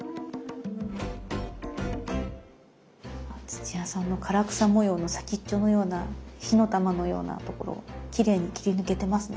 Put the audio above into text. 土屋さんの唐草模様の先っちょのような火の玉のようなところきれいに切り抜けてますね。